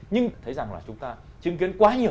nhưng thấy rằng là chúng ta chứng kiến quá nhiều